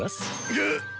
ぐっ！